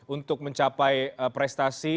untuk mencapai prestasi